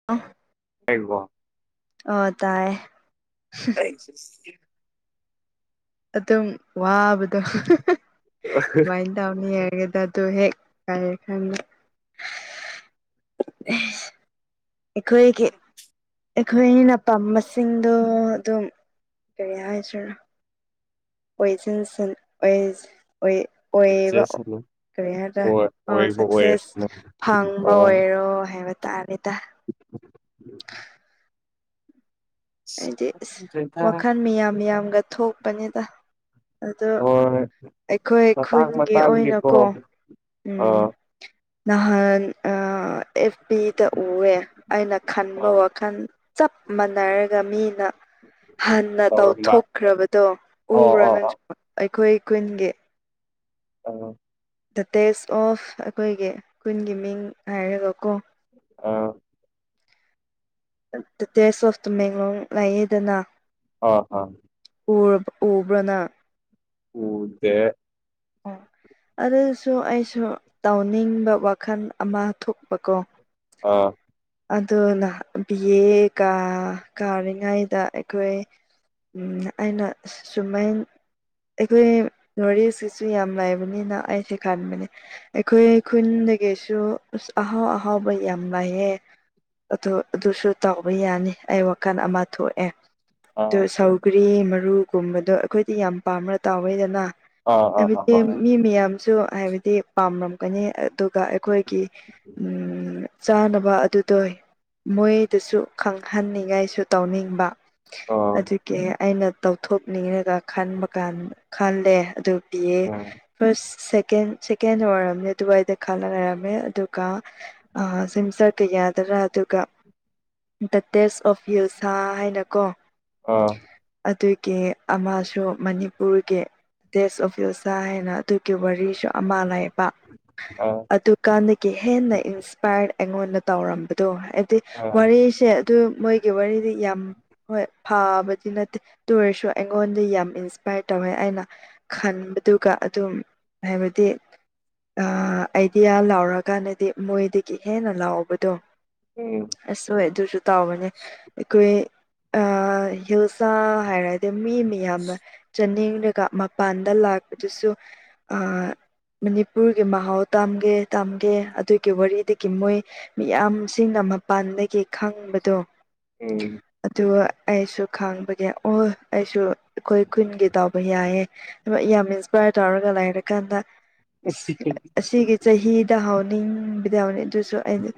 [inaudible] ꯂꯩꯔꯤꯕꯣ ꯑꯥ ꯇꯥꯏꯌꯦ [inaudible] ꯑꯗꯨꯝ ꯋꯥꯕꯗꯣ ꯀꯃꯥꯏꯅ ꯇꯧꯅꯤ ꯍꯥꯏꯔꯒꯦꯗ ꯑꯗꯨꯗꯣ ꯍꯦꯛ ꯀꯥꯏ [unintelligible] ꯑꯩꯈꯣꯏꯒꯤ ꯑꯩꯈꯣꯏ ꯑꯅꯤ ꯄꯥꯝꯕꯁꯤꯡꯗꯣ ꯑꯗꯨꯝ ꯀꯔꯤ ꯍꯥꯏꯁꯦꯔꯥ ꯑꯣꯏ ꯁꯤꯟ ꯁꯤꯟ ꯑꯣꯏ ꯑꯣꯏ [inaudible] ꯀꯔꯤꯌꯔꯗ ꯑꯣ ꯁꯛꯁꯦꯁ ꯑꯣꯏꯔꯁꯅꯨ ꯐꯪꯕ ꯑꯥ ꯑꯣꯏꯔꯣ ꯍꯥꯏꯕ ꯇꯥꯔꯦ [inaudible] ꯑꯩꯗꯤ ꯑꯁ ꯋꯥꯈꯜ ꯃꯤꯌꯥꯝ ꯌꯥꯝꯒ ꯊꯣꯛꯄꯅꯤꯗ ꯑꯗꯣ ꯍꯣꯏ ꯑꯩꯈꯣꯏ ꯃꯇꯥꯡ ꯈꯨꯟꯒꯤ ꯃꯇꯥꯡꯒꯤꯀꯣ ꯑꯣꯏꯅꯀꯣ ꯎꯝ ꯑꯥ ꯅꯍꯥꯟ ꯑ ꯑꯦꯐ ꯄꯕꯤꯗ ꯎꯑꯦ ꯑꯩꯅ ꯈꯟꯕ ꯑꯥ ꯋꯥꯈꯜ ꯆꯞ ꯃꯥꯟꯅꯔꯒ ꯃꯤꯅ ꯍꯟꯅ ꯇꯧꯔꯝꯕ ꯇꯧꯊꯣꯛꯈ꯭ꯔꯕꯗꯣ ꯑꯣ ꯎꯕ꯭ꯔꯣ ꯑꯣ ꯅꯪ ꯑꯣ ꯑꯩꯈꯣꯏ ꯈꯨꯨꯟꯒꯤ ꯑꯣ ꯗ ꯇꯦꯁ ꯑꯣꯐ ꯑꯩꯈꯣꯏꯒꯤ ꯈꯨꯟꯒꯤ ꯃꯤꯡ ꯍꯥꯏꯔꯒꯀꯣ ꯑ ꯗ ꯇꯦꯁ ꯑꯣꯐ ꯇꯃꯦꯡꯂꯣꯡ ꯉꯥꯏꯌꯦꯗꯅ ꯑ ꯑ ꯎ ꯎꯕ꯭ꯔꯣꯅꯪ ꯎꯗꯦ ꯑꯣ ꯑꯗꯨꯁꯨ ꯑꯩꯁꯨ ꯇꯧꯅꯤꯡꯕ ꯋꯥꯈꯜ ꯑꯃ ꯊꯣꯛꯄꯀꯣ ꯑ ꯑꯗꯨꯅ ꯕꯤ ꯑꯦ ꯀꯥꯔꯤꯉꯩꯗ ꯑꯩꯈꯣꯏ ꯑꯩꯅ ꯁꯨꯃꯥꯏ ꯑꯩꯈꯣꯏ ꯋꯥꯔꯤꯁꯤꯁꯨ ꯌꯥꯝ ꯂꯥꯏꯕꯅꯤꯅ ꯑꯩꯁꯦ ꯈꯟꯕꯅꯦ ꯑꯩꯈꯣꯏ ꯈꯨꯟꯗꯒꯤꯁꯨ ꯑꯍꯥꯎ ꯑꯍꯥꯎꯕ ꯌꯥꯝ ꯂꯩꯥꯏꯑꯦ ꯑꯗꯨ ꯑꯗꯨꯁꯨ ꯇꯥꯎꯕ ꯌꯥꯅꯤ ꯑꯩ ꯋꯥꯈꯜ ꯑꯃ ꯊꯣꯛꯑꯦ ꯑꯗꯨ ꯑꯥ ꯁꯨꯛ ꯄꯨꯒ꯭ꯔꯤ ꯃꯔꯨꯒꯨꯝꯕꯗꯣ ꯑꯩꯈꯣꯏꯗꯤ ꯌꯥꯝ ꯄꯥꯝꯅ ꯇꯥꯎꯋꯦꯗꯅ ꯑꯥ ꯑꯥ ꯑꯥ ꯍꯥꯏꯕꯗꯤ ꯍꯣꯏ ꯃꯤ ꯃꯌꯥꯝꯁꯨ ꯍꯥꯏꯕꯗꯤ ꯄꯥꯝꯂꯝꯒꯅꯤ ꯑꯗꯨꯒ ꯑꯩꯈꯣꯏꯒꯤ ꯆꯥꯅꯕ ꯑꯗꯨ ꯇꯣꯏ ꯃꯣꯏꯗꯁꯨ ꯈꯪꯍꯟꯅꯤꯡꯉꯥꯏꯁꯨ ꯇꯧꯅꯤꯡꯕ ꯑꯥ ꯑꯗꯨ ꯀꯦ ꯑꯩꯅ ꯇꯧꯊꯣꯛꯅꯤꯡꯉꯒ ꯈꯟꯕ ꯀꯥꯟ ꯈꯜꯂꯦ ꯑꯗꯨꯒꯤ ꯎꯝ ꯐꯔꯁ ꯁꯦꯀꯦꯟ ꯁꯦꯀꯦꯟꯗ ꯑꯣꯏꯔꯝꯅꯦ ꯑꯗꯨꯋꯥꯏꯗ ꯈꯜꯂ ꯂꯩꯔꯝꯃꯦ ꯑꯗꯨ ꯀꯥ ꯑꯃꯥ ꯁꯤꯝꯁ ꯀꯌꯥ ꯗ꯭ꯔꯥ ꯑꯗꯨꯒ ꯗ ꯇꯦꯁ ꯑꯣꯐ ꯍꯤꯜꯁꯥ ꯍꯥꯏꯅꯀꯣ ꯑꯥ ꯑꯗꯨꯒꯤ ꯑꯃꯁꯨ ꯃꯅꯤꯄꯨꯔꯒꯤ ꯇ‌ꯦꯁ ꯑꯣꯐ ꯍꯤꯜꯁꯥ ꯍꯥꯏꯅ ꯑꯗꯨꯒꯤ ꯋꯥꯔꯤꯁꯨ ꯑꯃ ꯂꯩꯌꯦꯕ ꯑ ꯑꯗꯨꯀꯥꯟꯗꯒꯤ ꯍꯦꯟꯅ ꯏꯟꯁꯄꯌꯥ꯭ꯔ ꯑꯩꯉꯣꯟꯗ ꯇꯧꯔꯝꯕꯗꯣ ꯍꯥꯏꯗꯤ ꯑꯥ ꯋꯥꯔꯤꯁꯦ ꯗꯨ ꯃꯣꯏꯒꯤ ꯋꯥꯔꯤꯗꯤ ꯌꯥꯝ ꯍꯣꯏ ꯐꯥꯕꯗꯤ ꯅꯠꯇꯦ ꯇꯨ ꯑꯣꯏꯔꯁꯨ ꯑꯩꯉꯣꯟꯗ ꯌꯥꯝ ꯏꯟꯁꯄꯌꯥ꯭ꯔ ꯇꯧꯋꯦ ꯑꯩꯅ ꯈꯟꯕꯗꯨꯒ ꯑꯗꯨꯝ ꯍꯥꯏꯕꯗꯤ ꯑꯥꯏꯗꯤꯌꯥ ꯂꯥꯎꯔꯀꯥꯟꯗꯗꯤ ꯃꯣꯏꯗꯒꯤ ꯍꯦꯟꯅ ꯂꯥꯎꯕꯗꯣ ꯎꯝ ꯑꯁ ꯍ‌ꯣꯏ ꯑꯗꯨꯁꯨ ꯇꯥꯎꯕꯅꯦ ꯑꯩꯈꯣꯏ ꯍꯤꯜꯁꯥ ꯍꯥꯏꯔ ꯗ‌ꯣ ꯃꯤ ꯃꯌꯥꯝꯅ ꯆꯥꯅꯤꯡꯔꯒ ꯃꯄꯥꯟꯗ ꯂꯥꯛꯄꯗꯨꯁꯨ ꯑ ꯃꯅꯤꯄꯨꯔꯒꯤ ꯃꯍꯥꯎ ꯇꯝꯒꯦ ꯇꯝꯒꯦ ꯑꯗꯨꯒꯤ ꯋꯥꯔꯤꯗꯒꯤ ꯃꯣꯏ ꯃꯤꯌꯥꯝ ꯁꯤꯡꯅ ꯃꯄꯥꯟꯗꯒꯤ ꯈꯪꯕꯗꯣ ꯎꯝ ꯑꯗꯨꯒ ꯑꯩꯁꯨ ꯈꯥꯡꯕꯒꯤ ꯑꯣ ꯑꯩꯁꯨ ꯑꯩꯈꯣꯏ ꯈꯨꯟꯒꯤ ꯇꯥꯎꯕ ꯌꯥꯏꯑꯦ ꯌꯥꯝ ꯏꯟꯁꯄꯌꯥ꯭ꯔ ꯇꯧꯔꯒ ꯂꯩꯔꯀꯥꯟꯗ ꯑꯁ ꯑꯁꯤꯒꯤ ꯆꯍꯤꯗ ꯍꯥꯎꯅꯤꯡꯕꯗ ꯍꯥꯎꯅꯤ ꯑꯗꯨꯁꯨ ꯑꯩꯅ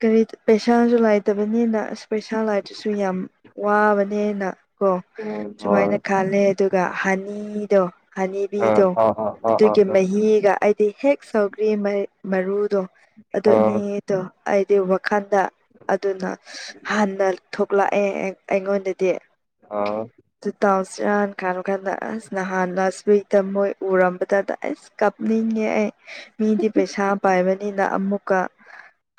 ꯀꯔꯤ ꯄꯩꯁꯥꯁꯨ ꯂꯥꯏꯇꯕꯅꯤꯅ ꯑꯁ ꯄꯩꯁꯥ ꯂꯥꯏꯇ꯭ꯔꯁꯨ ꯌꯥꯝ ꯋꯥꯕꯅꯤꯅ ꯀꯣ ꯎꯝ ꯍꯣꯏ ꯁꯨꯃꯥꯏꯅ ꯈꯜꯂꯦ ꯑꯗꯨꯒ ꯍꯥꯟꯅꯤꯗꯣ ꯑꯥ ꯍꯅꯤꯕꯤꯗꯣ ꯑꯥ ꯑꯥ ꯑꯥ ꯑꯗꯨꯒꯤ ꯑꯥ ꯃꯍꯤꯒ ꯑꯩꯗꯤ ꯍꯦꯛ ꯁꯧꯒ꯭ꯔꯤ ꯃꯥ ꯃꯔꯨꯗꯣ ꯑꯗꯨ ꯑꯥ ꯑꯅꯤꯗꯣ ꯑꯩꯗꯤ ꯋꯥꯈꯜꯗ ꯑꯗꯨꯅ ꯍꯥꯟꯅ ꯊꯣꯛ ꯂꯥꯛꯑꯦ ꯑꯩꯉꯣꯟꯗꯗꯤ ꯑꯥ ꯑꯗꯨ ꯇꯥꯎꯁꯤꯔꯥꯅ ꯈꯥꯔꯨ ꯀꯥꯟꯗ ꯑꯁ ꯅꯍꯥꯟꯅ ꯁꯤꯗ ꯃꯣꯏ ꯎꯔꯝꯕꯗꯥꯗ ꯑꯁ ꯀꯥꯞꯅꯤꯡꯉꯦ ꯑꯩ ꯃꯤꯗꯤ ꯄꯩꯁꯥ ꯄꯥꯏꯕꯅꯤꯅ ꯑꯃꯨꯛꯀꯥ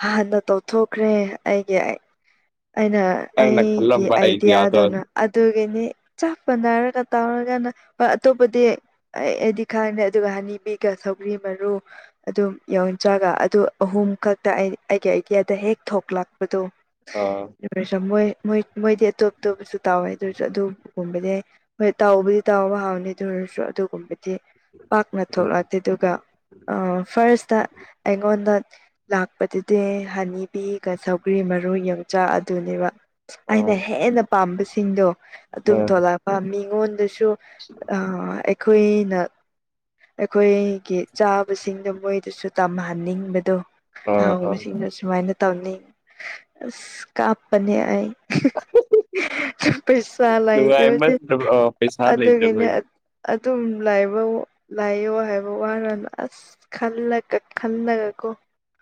ꯍꯥꯟꯅ ꯇꯧꯊꯣꯛꯈ꯭ꯔꯦ ꯑꯩꯒꯤ ꯑꯩ ꯑꯩꯅ ꯅꯪꯅ ꯑꯩꯒꯤ ꯈꯜꯂꯝꯕ ꯑꯥꯏꯗꯤꯌꯥꯗꯣ ꯑꯥꯏꯗꯤꯌꯥꯗꯨꯅ ꯑꯗꯨꯒꯤꯅꯤ ꯆꯞꯄ ꯃꯅꯥꯔꯒ ꯇꯧꯔꯒꯥꯅ ꯍꯣꯏ ꯑꯇꯣꯞꯄꯗꯤ ꯑꯩ ꯑꯩꯗꯤ ꯈꯪꯗꯦ ꯑꯗꯨꯒ ꯍꯥꯅꯤꯕꯤꯒꯥ ꯁꯧꯒ꯭ꯔꯤ ꯃꯔꯨ ꯑꯗꯨꯝ ꯌꯣꯟꯆꯥꯒ ꯑꯗꯨ ꯑꯍꯨꯝ ꯈꯛꯇ ꯑꯩ ꯑꯩꯒꯤ ꯑꯥꯏꯗꯤꯌꯥꯗ ꯍꯦꯛ ꯊꯣꯛꯂꯛꯄꯗꯣ ꯑꯥ ꯄ꯭ꯔꯤꯄꯦꯔꯦꯁꯟ ꯃꯣꯏ ꯃꯣꯏꯗꯤ ꯑꯇꯣꯞ ꯑꯇꯣꯞꯄꯁꯨ ꯇꯥꯎꯋꯦ ꯑꯗꯨ ꯑꯣꯏꯔꯁꯨ ꯑꯗꯨꯒꯨꯝꯕꯗꯤ ꯍꯣꯏ ꯇꯥꯎꯕꯨꯗꯤ ꯇꯥꯎꯕ ꯍꯥꯎꯅꯤ ꯑꯗꯨ ꯑꯣꯏꯔꯁꯨ ꯑꯗꯨꯒꯨꯝꯕꯗꯤ ꯄꯥꯛꯅ ꯊꯣꯛꯂꯥꯑꯇꯤ ꯑꯗꯨꯒ ꯐꯥꯔꯁꯇ ꯑꯩꯉꯣꯟꯗ ꯂꯥꯛꯄꯗꯨꯗꯤ ꯍꯅꯤꯕꯤꯒ ꯁꯧꯒ꯭ꯔꯤ ꯃꯔꯨ ꯌꯣꯡꯆꯥꯛ ꯑꯗꯨꯅꯦꯕ ꯑꯩꯅ ꯍꯦꯟꯅ ꯄꯥꯝꯕꯁꯤꯡꯗꯣ ꯑꯗꯨꯝ ꯊꯣꯛꯂꯛꯄ ꯃꯤꯉꯣꯟꯗꯁꯨ [unintelligible] ꯑꯥ ꯑꯩꯈꯣꯏꯅ ꯑꯩꯈꯣꯏꯒꯤ ꯆꯥꯕꯁꯤꯡꯗꯣ ꯃꯣꯏꯗꯁꯨ ꯇꯝꯍꯟꯅꯤꯡꯕꯗꯣ ꯍꯥꯎꯕꯁꯤꯡꯗꯣ ꯁꯨꯃꯥꯏꯅ ꯇꯧꯅꯤ ꯑꯁ ꯀꯥꯞꯄꯅꯦ ꯑꯩ ꯄꯩꯁꯥ ꯂꯩꯥꯇꯕꯗꯤ ꯄꯩꯁꯥ ꯑꯗꯨꯒꯤꯅꯦ ꯂꯩꯇꯕꯒꯤ ꯑꯗꯨꯝ ꯂꯥꯏꯕ ꯂꯥꯏꯌꯣ ꯍꯥꯏꯕ ꯋꯥꯅ ꯑꯁ ꯈꯜꯂꯒꯥ ꯈꯜꯂꯒꯥ ꯀꯣ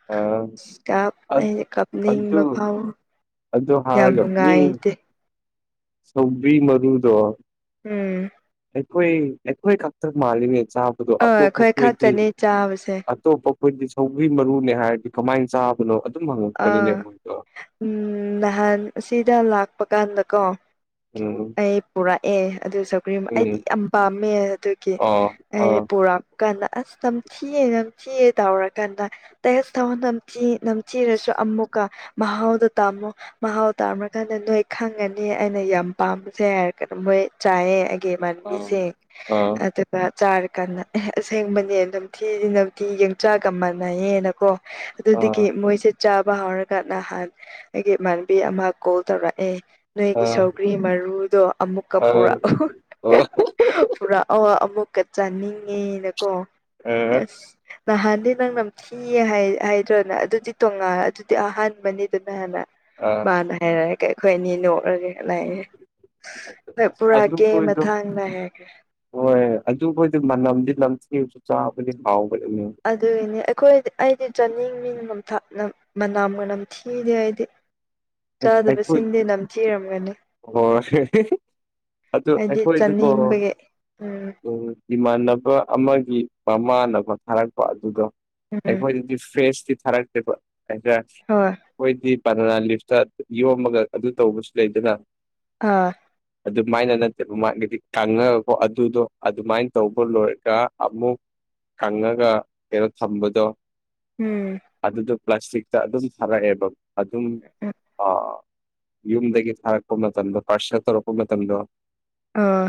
ꯑ ꯁꯤꯗꯥ ꯑꯩꯅ ꯑꯗꯨ ꯀꯞꯅꯤꯡꯕ ꯐꯥꯎ ꯑꯗꯨ ꯌꯥꯝ ꯍꯥꯏꯔꯒ ꯃꯤ ꯅꯨꯉꯥꯏꯇꯦ ꯁꯧꯒ꯭ꯔꯤ ꯃꯔꯨꯗꯣ ꯎꯝ ꯑꯩꯈꯣꯏ ꯑꯩꯈꯣꯏ ꯈꯛꯇ ꯃꯥꯜꯂꯤꯅꯦ ꯆꯥꯕꯗꯣ ꯑ ꯑꯇꯣꯞꯄ ꯑꯩꯈꯣꯏ ꯈꯣꯏꯗꯤ ꯈꯛꯇꯅꯦ ꯆꯥꯕꯁꯦ ꯑꯇꯣꯞꯄ ꯈꯣꯏꯗꯤ ꯁꯧꯒ꯭ꯔꯤ ꯃꯔꯨꯅꯦ ꯍꯥꯏꯔꯗꯤ ꯀꯃꯥꯏꯅ ꯆꯥꯕꯅꯣ ꯑꯗꯨꯝ ꯑꯥ ꯍꯪꯉꯛꯄꯅꯤꯅꯦ ꯃꯣꯏꯗꯣ ꯎꯝ ꯅꯍꯥꯟ ꯑꯁꯤꯗꯥ ꯂꯥꯛꯄ ꯀꯥꯟꯗꯀꯣ ꯎꯝꯝ ꯑꯩ ꯄꯨꯔꯛꯑꯦ ꯑꯗꯨ ꯁꯧꯒ꯭ꯔꯤ ꯑꯩꯗꯤ ꯌꯥꯝ ꯄꯥꯝꯃꯦ ꯑꯗꯨꯒꯤ ꯑꯣ ꯑ ꯑꯩ ꯄꯨꯔꯛ ꯀꯥꯟꯅ ꯑꯁ ꯅꯝꯊꯤꯌꯦ ꯅꯝꯊꯤꯌꯦ ꯇꯧꯔꯀꯥꯟꯗ ꯇꯦꯁ ꯊꯧ ꯅꯝꯊꯤꯌꯦ ꯆꯤꯔꯁꯨ ꯑꯃꯨꯀꯥ ꯃꯍꯥꯎꯗꯣ ꯇꯝꯃꯣ ꯃꯍꯥꯎ ꯇꯥꯔꯝꯃꯀꯥꯟꯗꯥ ꯅꯣꯏ ꯈꯪꯒꯅꯤ ꯑꯩꯅ ꯌꯥꯝ ꯄꯥꯝꯕꯁꯦ ꯍꯥꯏꯔꯒꯥꯅ ꯃꯣꯏ ꯆꯥꯏꯌꯦ ꯒꯦ ꯑ ꯃꯥꯟꯕꯤꯁꯦ ꯑ ꯑꯗꯨ ꯆꯥꯔꯀꯥꯟꯗ ꯑꯦ ꯑꯁꯦꯡꯕꯅꯦ ꯅꯝꯊꯤꯗꯤ ꯅꯝꯊꯤ ꯌꯣꯡꯆꯥꯛꯒ ꯃꯥꯟꯅꯩꯌꯦꯅꯀꯣ ꯑ ꯑꯗꯨꯗꯥꯒꯤ ꯃꯣꯏ ꯁꯤꯠ ꯆꯥꯕ ꯍꯧꯔꯒꯥ ꯅꯍꯥꯟ ꯑꯩꯒꯤ ꯏꯃꯥꯟꯅꯕꯤ ꯑꯃ ꯀꯣꯜ ꯇꯧꯔꯛꯑꯦ ꯅꯣꯏꯒꯤ ꯁꯧꯒ꯭ꯔꯤ ꯃꯔꯨꯗꯣ ꯑꯃꯨꯛꯀꯥ ꯑ ꯄꯨꯔꯛꯎ ꯄꯨꯔꯥꯛꯑꯣ ꯑꯃꯨꯛꯀꯥ ꯆꯥꯅꯤꯡꯉꯦꯅꯀꯣ ꯑ ꯑ ꯑꯁ ꯅꯍꯥꯟꯗꯤ ꯅꯪ ꯅꯝꯊꯤꯌꯦ ꯍꯥꯏ ꯍꯥꯏꯗ꯭ꯔꯣꯅꯦ ꯑꯗꯨꯗꯤ ꯇꯣꯉꯥ ꯑꯗꯨꯗꯤ ꯑꯍꯥꯟꯕꯅꯤꯗꯨꯅ ꯍꯥꯏꯕ ꯑ ꯃꯥꯅ ꯍꯥꯏꯔꯛꯑꯒꯥ ꯑꯩꯈꯣꯏ ꯑꯅꯤ ꯅꯣꯛꯔꯒꯥ ꯂꯩꯌꯦ ꯍꯣꯏ ꯑꯗꯨ ꯄꯨꯔꯛꯑꯒꯦ ꯈꯣꯏꯗꯣ ꯃꯊꯪ ꯅꯥ ꯍꯥꯏꯈ꯭ꯔꯦ ꯍꯣꯏ ꯑꯗꯨꯕꯨꯗꯤ ꯃꯅꯝꯗꯤ ꯅꯝꯊꯤꯔꯥꯁꯨ ꯆꯥꯕꯗꯤ ꯍꯥꯎꯕꯅꯤꯅꯦ ꯑꯗꯨꯒꯤꯅꯦ ꯑꯩꯈꯣꯏꯗꯤ ꯑꯩꯗꯤ ꯆꯥꯅꯤꯡꯉꯤ [unintelligible] ꯃꯅꯥꯝꯒꯥ ꯅꯝꯊꯤꯗꯦ ꯑꯩꯗꯤ ꯍ ꯆꯥꯗꯕꯁꯤꯡꯗꯤ ꯅꯝꯊꯤꯔꯝꯒꯅꯤ ꯑꯗꯨ ꯍꯥꯏꯗꯤ ꯑꯩꯈꯣꯏꯗꯨꯀꯣ ꯆꯥꯅꯤꯡꯕꯒꯤ ꯎꯝ ꯏꯃꯥꯟꯅꯕ ꯑꯃꯒꯤ ꯃꯃꯥꯟꯅꯕ ꯊꯥꯔꯛꯄ ꯑꯗꯨꯗꯣ ꯎꯝ ꯃꯣꯏꯗꯗꯤ ꯐ꯭ꯔꯦꯁꯇꯤ ꯊꯥꯔꯛꯇꯦꯕ ꯍꯥꯏꯗ ꯍꯣꯏ ꯍꯈꯣꯏꯗꯤ ꯄꯅ ꯌꯣꯝꯃꯒ ꯑꯗꯨ ꯇꯧꯕꯁꯨ ꯂꯩꯗꯅ ꯑꯥ ꯑꯗꯨꯃꯥꯏꯅ ꯅꯠꯇꯕ ꯃꯥꯒꯤꯗꯤ ꯀꯥꯡꯉꯒꯀꯣ ꯑꯗꯨꯗꯣ ꯑꯗꯨꯃꯥꯏꯅ ꯇꯧꯕ ꯂꯣꯏꯔꯒ ꯑꯃꯨꯛ ꯀꯪꯉꯒ ꯀꯩꯅꯣ ꯊꯝꯕꯗꯣ ꯎꯝ ꯑꯗꯨꯗꯣ ꯄ꯭ꯂꯥꯁꯇꯤꯛꯇ ꯑꯗꯨꯝ ꯊꯥꯔꯛꯑꯦꯕ ꯑꯗꯨꯝ ꯎꯝ ꯌꯨꯝꯗꯒꯤ ꯊꯥꯔꯛꯄ ꯃꯇꯝꯗꯣ ꯄꯥꯔꯁꯥ ꯇꯧꯔꯛꯄ ꯃꯇꯝꯗꯣ ꯑꯥ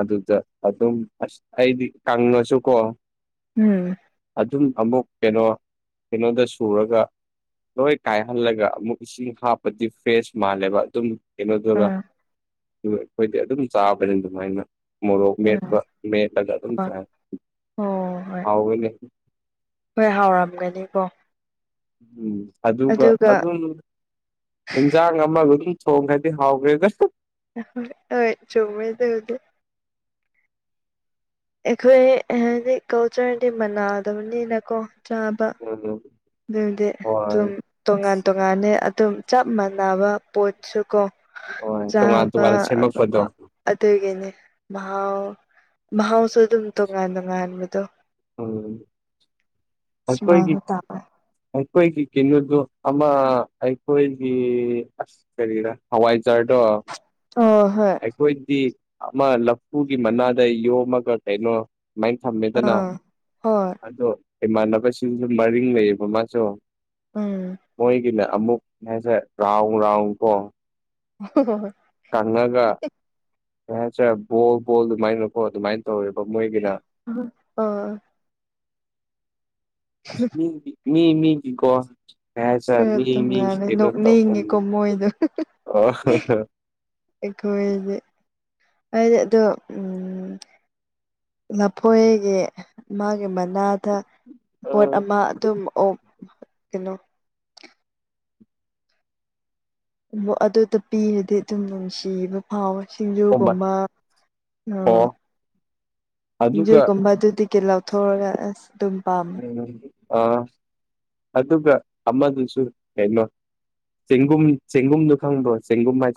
ꯑꯗꯨꯗ ꯑꯗꯨꯝ ꯑꯁ ꯑꯩꯗꯤ ꯀꯪꯉꯁꯨꯀꯣ ꯎꯝ ꯑꯗꯨꯝ ꯑꯃꯨꯛ ꯀꯩꯅꯣ ꯀꯩꯅꯣꯗ ꯁꯨꯔꯒ ꯂꯣꯏ ꯀꯥꯏꯍꯜꯂꯒ ꯑꯃꯨꯛ ꯏꯁꯤꯡ ꯍꯥꯞꯄꯗꯤ ꯐ꯭ꯔꯦꯁ ꯃꯥꯜꯂꯦꯕ ꯑꯗꯨꯝ ꯀꯩꯅꯣꯗꯨꯒ ꯑꯥ ꯑꯩꯈꯣꯏꯗꯤ ꯑꯗꯨꯝ ꯆꯥꯕꯅꯤ ꯑꯗꯨꯃꯥꯏꯅ ꯃꯣꯔꯣꯛ ꯎꯝ ꯃꯦꯠꯄ ꯃꯂꯒ ꯑꯗꯨꯝ ꯍꯣꯏ ꯆ ꯑꯣ ꯍꯣꯏ ꯍꯥꯎꯥꯎꯒꯅꯦ ꯍꯣꯏ ꯍꯥꯎꯔꯝꯒꯅꯤꯀꯣ ꯎꯝ ꯑꯗꯨꯒ ꯑꯗꯨꯝ ꯏꯟꯁꯥꯡ ꯑꯃꯒ ꯑꯗꯨꯝ ꯊꯣꯡꯈ꯭ꯔꯗꯤ ꯍꯥꯎꯈ꯭ꯔꯦꯗ ꯍꯣꯏ ꯆꯣꯡꯃꯗ ꯍꯧꯗꯤꯦ ꯑꯩꯈꯣꯏ ꯍꯥꯏꯗꯤ ꯀꯜꯆꯔꯗꯤ ꯃꯅꯥꯗꯕꯅꯤꯅꯀꯣ ꯆꯥꯕ ꯑꯣ ꯑꯗꯨꯗꯤ ꯑꯗꯨꯝ ꯇꯣꯉꯥꯟ ꯇꯣꯉꯥꯟꯅꯦ ꯑꯗꯨꯝ ꯆꯞ ꯃꯥꯟꯅꯕ ꯄꯣꯠꯁꯨ ꯀꯣ ꯍꯣꯏ ꯇꯣꯉꯥꯟ ꯆꯥꯕ ꯇꯣꯉꯥꯟꯅ ꯁꯦꯝꯃꯛꯄꯗꯣ ꯑꯗꯨꯒꯤꯅꯦ ꯃꯍꯥꯎ ꯃꯍꯥꯎꯁꯨ ꯑꯗꯨꯝ ꯇꯣꯉꯥꯟ ꯇꯣꯉꯥꯟꯕꯗꯣ ꯎꯝꯈꯣꯏꯒꯤ ꯁꯨꯃꯥꯏꯅ ꯇꯥꯕ ꯑꯩꯈꯣꯏꯒꯤ ꯀꯤꯅꯣꯗꯨ ꯑꯃ ꯑꯩꯈꯣꯏꯒꯤ ꯑꯁ ꯀꯔꯤꯔꯥ ꯍꯋꯥꯏꯆꯥꯔꯗ‌ꯣ ꯑꯣ ꯍꯣꯏ ꯑꯩꯈꯣꯏꯗꯤ ꯑꯃ ꯂꯐꯨꯒꯤ ꯃꯅꯥꯗ ꯌꯣꯝꯃꯒ ꯀꯩꯅꯣ ꯃꯥꯏ ꯊꯝꯃꯦ ꯑꯥ ꯍꯣꯏ ꯑꯗꯣ ꯏꯃꯥꯟꯅꯕꯁꯤꯡꯁꯨ ꯃꯔꯤꯡ ꯂꯩꯌꯦꯕ ꯃꯥꯁꯨ ꯎꯝ ꯃꯣꯏꯒꯤꯅ ꯑꯃꯨꯛ ꯍꯥꯏꯁꯦ ꯔꯥꯎꯟ ꯔꯥꯎꯟ ꯀꯣ [unintelligible] ꯀꯪꯉꯒ ꯀꯩ ꯍꯥꯏꯁꯤꯔꯥ ꯕꯣꯜ ꯕꯣꯜ ꯑꯗꯨꯃꯥꯏꯅꯀꯣ ꯑꯗꯨꯃꯥꯏꯅ ꯇꯧꯋꯦꯕ ꯃꯣꯏꯒꯤꯅ ꯑꯣ ꯑꯥ ꯑꯁ ꯃꯤ ꯃꯤ ꯃꯤꯒꯤ ꯀꯣ ꯀꯩ ꯍꯥꯏꯁꯤꯔ ꯑꯦ ꯇ‌ꯣꯡꯉꯥꯟꯅ ꯇꯧꯕꯅꯤ ꯅꯣꯛꯅꯤꯡꯉꯤꯀꯣ ꯃꯣꯏꯗꯣ ꯑꯣ ꯑꯩꯈꯣꯏꯗꯤ ꯍꯥꯏꯗꯤ ꯑꯗꯣ ꯎꯝ ꯂꯐꯣꯏꯒꯤ ꯃꯥꯒꯤ ꯃꯅꯥꯗ ꯄꯣꯠ ꯑꯃ ꯑꯗꯨꯝ ꯑꯣ ꯀꯩꯅꯣ ꯑꯗꯨꯗ ꯄꯤꯔꯗꯤ ꯑꯗꯨꯝ ꯅꯨꯡꯁꯤꯕ ꯍꯥꯎ ꯑꯣ ꯁꯤꯡꯖꯨꯒꯨꯝꯕ ꯎꯝ ꯑꯣ ꯑꯗꯨꯒ ꯁꯤꯡꯖꯨꯒꯨꯝꯕ ꯑꯗꯨꯗꯒꯤ ꯂꯧꯊꯣꯛꯔꯒ ꯑꯁ ꯑꯗꯨꯝ ꯄꯥꯝ ꯑꯥ ꯑꯗꯨꯒ ꯑꯃꯗꯨꯁꯨ ꯀꯩꯅꯣ ꯆꯦꯡꯒꯨꯝ ꯆꯦꯡꯒꯨꯝꯗꯨ ꯈꯪꯕ꯭ꯔ‌ꯣ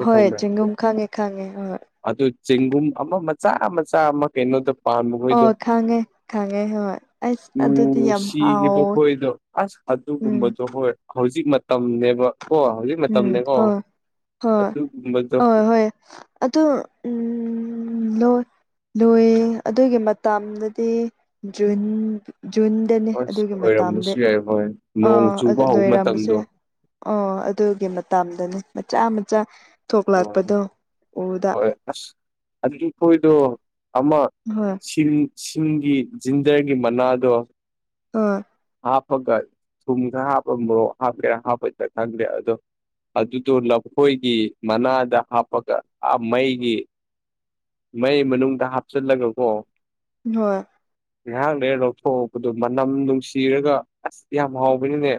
ꯍꯣꯏ ꯆꯦꯡꯒꯨꯝ ꯈꯪꯉꯦ ꯈꯪꯉꯦ ꯍꯣꯏ ꯑꯗꯨ ꯆꯦꯡꯒꯨꯝ ꯑꯃ ꯃꯆꯥ ꯃꯆꯥ ꯑꯃ ꯀꯩꯅꯣꯗ ꯄꯥꯝꯕ ꯑꯣ ꯃ‌ꯣꯏꯗ‌ꯣ ꯈꯪꯉꯦ ꯈꯪꯉꯦ ꯍꯣꯏ ꯑꯁ ꯑꯗꯨꯗꯤ ꯃꯃꯤꯡꯗ‌ꯣ ꯌꯥꯝ ꯁꯤꯅ‌ꯦꯕ ꯍꯥꯎ ꯈ‌ꯣꯏꯗ‌ꯣ ꯎꯝ ꯑꯗꯨꯒꯨꯝꯕꯗꯣ ꯍꯣꯏ ꯍꯧꯖꯤꯛ ꯃꯇꯝꯅꯦꯕ ꯀꯣ ꯍꯧꯖꯤꯛ ꯎꯝ ꯃꯇꯝꯅꯦꯀꯣ ꯍꯣꯏ ꯍꯣꯏ ꯑꯗꯨꯒꯨꯝꯕꯗꯣ ꯍꯣꯏ ꯍꯣꯏ ꯑꯗꯨ ꯎꯝ ꯎꯝ ꯂ‌ꯣ ꯂꯣꯏ ꯑꯗꯨꯒꯤ ꯃꯇꯝꯗꯗꯤ ꯖꯨꯟ ꯖꯨꯟ ꯗꯅꯤ ꯑꯁ ꯑꯗꯨꯒꯤ ꯃꯇꯝꯗꯤ ꯑꯣꯏꯔꯝꯕꯁꯨ ꯌꯥꯏ ꯍꯣꯏ ꯅꯣꯡ ꯑꯥ ꯑꯗꯨ ꯆꯨꯕ ꯍꯧꯕ ꯂꯣꯏꯔꯝꯕꯁꯦ ꯃꯇꯝꯗꯣ ꯑꯣ ꯑꯗꯨꯒꯤ ꯃꯇꯝꯗꯅꯤ ꯃꯆꯥ ꯃꯆꯥ ꯑꯣ ꯊꯣꯛꯂꯛꯄꯗꯣ ꯎꯕꯗ ꯍꯣꯏ ꯑꯁ ꯑꯗꯨꯗꯤ ꯈ‌ꯣꯏꯗ‌ꯣ ꯑꯃ ꯍꯣꯏ ꯁꯤꯡ ꯁꯤꯡꯒꯤ ꯖꯤꯟꯖꯔꯒꯤ ꯃꯅꯥꯗꯣ ꯑꯥ ꯍꯥꯄꯒ ꯊꯨꯝ ꯈ ꯍꯥꯄ ꯃ‌ꯣꯔ‌ꯣꯛ ꯍꯥꯞꯀ‌ꯦꯔꯥ ꯍꯥꯄꯣꯏꯁꯤꯔꯥ ꯈꯪꯗ‌ꯦ ꯑꯗꯨꯗꯣ ꯂꯐꯣꯏꯒꯤ ꯃꯅꯥꯗ ꯍꯥꯞꯄꯒ ꯑꯥ ꯃꯩꯒꯤ ꯃꯩ ꯃꯅꯨꯡꯗ ꯍꯥꯞꯆꯜꯂꯒꯀꯣ ꯍꯣꯏ ꯉꯥꯏꯍꯥꯛ ꯂꯩꯔ ꯂꯧꯊꯣꯛꯄꯗꯨ ꯃꯅꯝ ꯅꯨꯡꯁꯤꯔꯒ ꯑꯁ ꯌꯥꯝ ꯍꯥꯎꯕꯅꯤꯅꯦ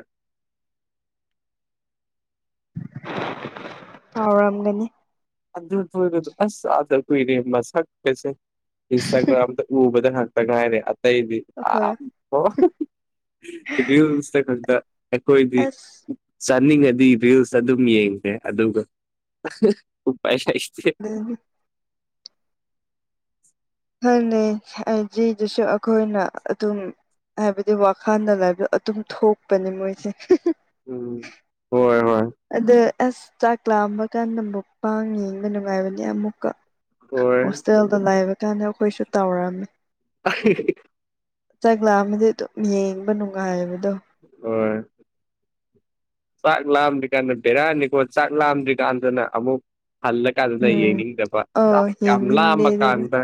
ꯍꯥꯎꯔꯝꯒꯅꯤ ꯑꯗꯨ ꯇ‌ꯣꯏꯒꯗ‌ꯣ ꯑꯁ ꯎꯗ ꯀꯨꯏꯔ‌ꯦ ꯃꯁꯛꯀꯁ‌ꯦ ꯏꯟꯁꯇꯥꯒ꯭ꯔꯝꯗ ꯎꯕꯗ ꯈꯛ ꯇ ꯉꯥꯏꯔ‌ꯦ ꯑꯇꯩꯗꯤ ꯑ ꯍꯣꯏ ꯔꯤꯜꯁꯇ ꯈꯛꯇ ꯑꯩꯈꯣꯏꯗꯤ ꯑꯁ ꯆꯥꯅꯤꯡꯉꯗꯤ ꯔꯤꯜꯁ ꯑꯗꯨꯝ ꯌꯦꯡꯉꯦ ꯑꯗꯨꯒ ꯎꯄꯥꯏꯍ ꯂꯩꯇꯦ ꯎ [unintelligible] ꯈꯪꯗꯝ ꯅ‌ꯦ ꯑꯥꯏꯖꯤꯗꯁꯨ ꯑꯩꯈꯣꯏꯅ ꯑꯗꯨꯝ ꯍꯥꯏꯕꯗꯤ ꯋꯥꯈꯜꯗ ꯂꯥꯏꯕꯗꯣ ꯑꯗꯨꯝ ꯊꯣꯛꯄꯅꯦ ꯃꯣꯏꯁꯦ ꯎꯝ ꯍꯣꯏ ꯍꯣꯏ ꯑꯗ ꯑꯁ ꯆꯥꯛꯂꯥꯝꯕ ꯀꯥꯟꯗ ꯃꯨꯛꯕꯥꯡ ꯌꯦꯡꯕ ꯅꯨꯡꯉꯥꯏꯕꯅꯦ ꯑꯃꯨꯛꯀ ꯍꯣꯏ ꯍꯣꯁꯇꯦꯜꯗ ꯂꯥꯏꯕ ꯀꯥꯟꯗ ꯑꯩꯈꯣꯏꯁꯨ ꯇꯧꯔꯝꯃꯤ ꯆꯒꯂꯥ ꯑꯃꯗꯤ ꯑꯗꯨꯝ ꯌꯦꯡꯕ ꯅꯨꯡꯉꯥꯏꯕꯗꯣ ꯑꯣ ꯆꯥꯛ ꯂꯥꯝꯗ꯭ꯔꯤꯀꯥꯟꯗ ꯕꯦꯔꯥꯑꯅꯤꯀꯣ ꯆꯥꯛ ꯂꯥꯝꯗ꯭ꯔꯤꯀꯥꯟꯗꯅ ꯑꯃꯨꯛ ꯍꯂ ꯀ ꯑꯗꯨꯗ ꯎꯝ ꯌꯦꯡꯅꯤꯡꯗꯕ ꯑꯣ ꯌꯥꯝ ꯌꯦꯡꯅꯤꯡꯗꯦ ꯂꯥꯃ ꯀꯥꯟꯗ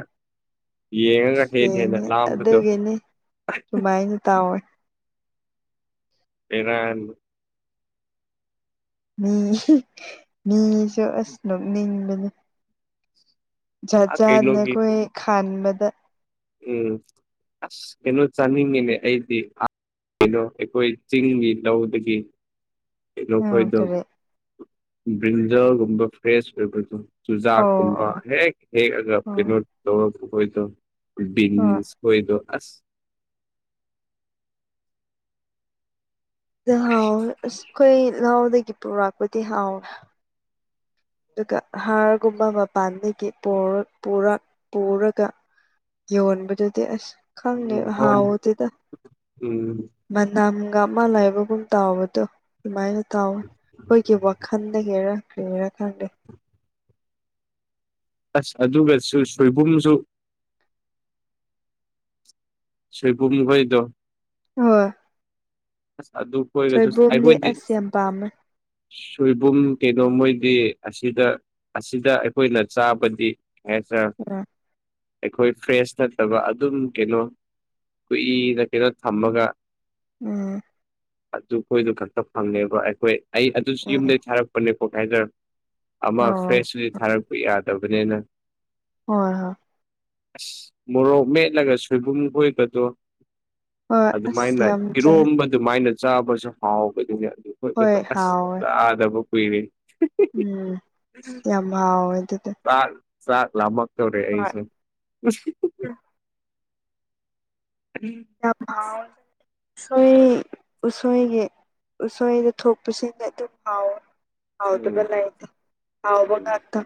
ꯌꯦꯡꯉꯒ ꯍꯦꯟꯅ ꯍꯦꯟꯅ ꯁꯤꯦꯡꯅꯦ ꯂꯥꯝꯕꯗꯣ ꯑꯗꯨꯒꯤꯅꯦ ꯁꯨꯃꯥꯏꯅ ꯇꯥꯎꯋꯦ ꯏꯔꯥꯟ ꯃꯤ ꯃꯤꯁꯨ ꯑꯁ ꯅꯣꯛꯅꯤꯡꯕꯅꯦ ꯖꯥꯠ ꯑꯥ ꯖꯥꯠꯅ ꯀꯩꯅꯣꯒꯤ ꯑꯩꯈꯣꯏ ꯈꯥꯟꯕꯗ ꯎꯝꯁꯅꯣ ꯆꯅꯤꯡꯦꯅꯦ ꯑꯗꯤ ꯀꯗꯣ ꯑꯩꯈꯣꯏ ꯆꯤꯡꯒꯤ ꯂꯧꯗꯒꯤ ꯎꯝ ꯅꯈꯣꯏꯗꯣ ꯀꯔꯤ ꯕ꯭ꯔꯤꯜꯖꯔꯒꯨꯝꯕ ꯐ꯭ꯔꯦꯁ ꯑꯣꯏꯕꯗꯣ ꯑꯣ ꯆꯨꯖꯥꯛꯀꯨꯝꯕ ꯑꯣ ꯍꯦꯛ ꯍꯦꯛꯑꯒ ꯑꯣ ꯀꯩꯅꯣ ꯇꯧꯔ ꯑꯩꯣꯏꯗꯣ ꯑꯣ ꯕꯤꯟꯁ ꯍꯣꯏꯗ ꯑꯁ ꯍꯥꯎꯋꯦ ꯑꯁ ꯑꯩꯈꯣꯏ ꯂꯥꯎꯗꯒꯤ ꯄꯨꯔꯛꯄꯗꯤ ꯍꯥꯎꯦ ꯑꯗꯨꯒ ꯍꯥꯔꯒꯨꯝꯕ ꯃꯄꯥꯟꯗꯒꯤ ꯄꯨꯔꯒ ꯌꯧꯟꯕꯗꯨꯦꯗꯤ ꯑꯁ ꯈꯪꯅꯦ ꯎꯝ ꯍꯥꯎ ꯍꯥꯎꯗꯗ ꯎꯝ ꯃꯅꯝꯒ ꯃꯥ ꯂꯥꯏꯕꯒꯨꯝ ꯇꯥꯎꯕꯗꯣ ꯑꯗꯨꯃꯥꯏꯅ ꯇꯋꯦ ꯑꯩꯈꯣꯏꯒꯤ ꯋꯥꯈꯜ ꯍꯔ ꯀꯔꯤ ꯍꯥꯏꯔꯀꯥꯟꯗꯦ [unintelligible] ꯑꯁ ꯑꯗꯨꯒꯁꯨ ꯁꯣꯏꯕꯨꯝꯁꯨ ꯁꯣꯏꯕꯨꯝꯍꫭꯏꯗꯣ ꯍꯣꯏ ꯑꯁ ꯑꯗꯨ ꯈꯣꯏꯒꯁꯨ ꯁꯣꯏꯕꯣꯝꯗꯤ ꯑꯩꯈꯣꯏꯗꯤ ꯑꯁ ꯌꯥꯝ ꯄꯥꯝꯃꯦ ꯁꯣꯏꯕꯨꯝ ꯀꯩꯅꯣ ꯃꯣꯏꯗꯤ ꯑꯁꯤꯗ ꯑꯁꯤꯗ ꯑꯩꯈꯣꯏꯅ ꯆꯥꯕꯗꯤ [inaudible] ꯑꯩꯈꯣꯏ ꯐ꯭ꯔꯦꯁ ꯅꯠꯇꯕ ꯑꯗꯨꯝ ꯀꯩꯅꯣ ꯀꯨꯏꯅ ꯀꯩꯅꯣ ꯊꯝꯃꯒ ꯎꯝ ꯑꯗꯨꯈꯣꯏꯗꯨ ꯈꯛꯇ ꯐꯪꯉꯦꯕ ꯑꯩꯈꯣꯏ ꯑꯩ ꯑꯗꯨꯁꯨ ꯎꯝ ꯌꯨꯝꯗꯒꯤ ꯊꯥꯔꯛꯄꯅꯦꯀꯣ ꯀꯥꯏꯗ ꯑꯃ ꯑꯣ ꯐ꯭ꯔꯦꯁ ꯑꯣꯏꯅ ꯊꯥꯔꯛꯄ ꯌꯥꯗꯕꯅꯤꯅ ꯍꯣꯏ ꯍꯣꯏ ꯑꯁ ꯃꯣꯔꯣꯛ ꯃꯦꯠꯂꯒ ꯁꯣꯏꯕꯨꯝ ꯀꯣꯏꯕꯗꯣ ꯍꫭꯏ ꯑꯁ ꯌꯥꯝ ꯆꯥꯏ ꯏꯔꯣꯝꯕ ꯑꯗꯨꯃꯥꯏꯅ ꯆꯥꯕꯁꯨ ꯍꯥꯎꯕꯗꯨꯅꯤ ꯑꯗꯨ ꯍꯣꯏ ꯑꯩꯈꯣꯏ ꯑꯁ ꯍꯥꯎꯋꯦ ꯆꯗꯕ ꯀꯨꯏꯔꯦꯍꯦ ꯎꯝ ꯌꯥꯝ ꯍꯥꯎꯋꯦ ꯑꯗꯨꯗꯤ ꯆꯥꯛ ꯆꯥꯛ ꯂꯥꯃꯛꯇꯧꯔꯦ ꯍꯣꯏ ꯑꯩꯁꯨ [inaudible] ꯎꯁꯣꯏ ꯎꯁꯣꯏꯒꯤ ꯎꯁꯣꯏꯗ ꯊꯣꯛꯄꯁꯤꯅ ꯑꯗꯨꯝ ꯍꯥꯎꯋꯦ ꯍꯥꯎꯗꯕ ꯂꯩꯇꯦ ꯍꯥꯎꯕ ꯉꯥꯛꯇ